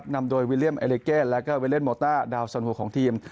นำโดยวิลเลี่ยมเอลิเกธและวิเล็นด์มอร์ตาดาวสันโหลของทีม